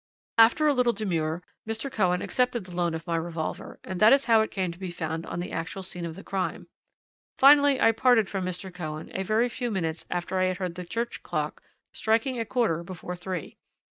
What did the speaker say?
After a little demur Mr. Cohen accepted the loan of my revolver, and that is how it came to be found on the actual scene of the crime; finally I parted from Mr. Cohen a very few minutes after I had heard the church clock striking a quarter before three.